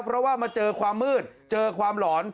เพราะว่ามาเจอความมืดเจอความหลอน